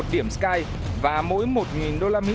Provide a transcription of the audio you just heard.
một điểm sky và mỗi một đô la mỹ